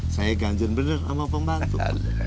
saya ganjar bener sama pembantu